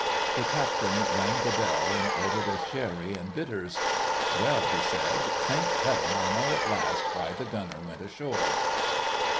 The Captain rang the bell and ordered a sherry and bitters. "Well," he said, "thank Heaven I know at last why the Gunner went ashore!"